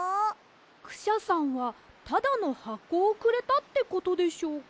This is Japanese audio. クシャさんはただのはこをくれたってことでしょうか？